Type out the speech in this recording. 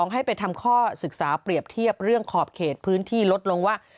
ให้ไปทำข้อศึกษาเปรียบเทียบเรื่องขอบเขตพื้นที่ลดลงว่า